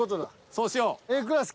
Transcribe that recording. そうしよう。